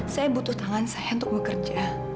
saya butuh tangan saya untuk bekerja